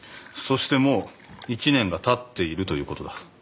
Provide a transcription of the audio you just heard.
そしてもう１年がたっているということだ。